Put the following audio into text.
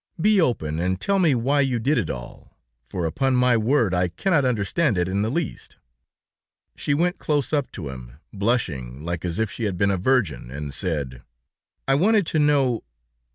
Be open, and tell me why you did it all, for upon my word I cannot understand it in the least." She went close up to him, blushing like as if she had been a virgin, and said: "I wanted to know